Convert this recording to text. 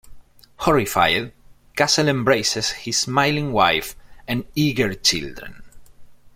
Horrified, Castle embraces his smiling wife and eager children.